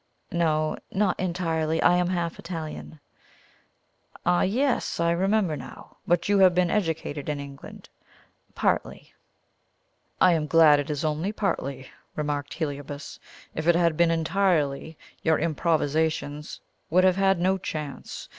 "No, not entirely. I am half Italian." "Ah, yes! I remember now. But you have been educated in England?" "Partly." "I am glad it is only partly," remarked Heliobas. "If it had been entirely, your improvisations would have had no chance.